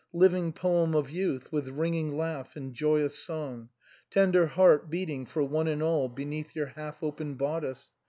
living poem of youth with ringing laugh and joyous song! tender heart beating for one and all beneath your half open bodice